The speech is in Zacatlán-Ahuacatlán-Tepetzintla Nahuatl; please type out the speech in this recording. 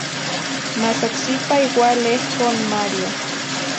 Mas oc sipa igual ehco n Mario.